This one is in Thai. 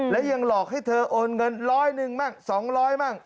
และยังหลอกให้เธอโอนเงิน๑๐๑บาทและ๒๐๐บาท